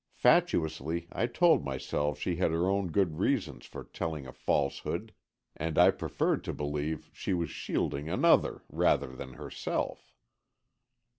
Fatuously I told myself she had her own good reasons for telling a falsehood, and I preferred to believe she was shielding another rather than herself.